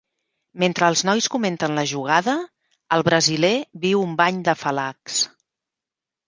Mentre els nois comenten la jugada, el brasiler viu un bany d'afalacs.